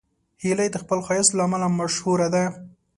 هیلۍ د خپل ښایست له امله مشهوره ده